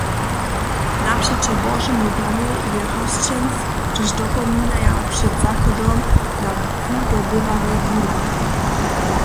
Napřećo Božemu domej je hosćenc, hdźež dopominaja před zachodom na wudobywanje wuhla.